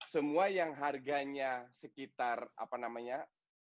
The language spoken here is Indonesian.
semua yang harganya sekitar apa namanya